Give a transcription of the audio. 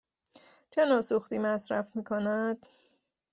چه نوع سوختی مصرف می کند؟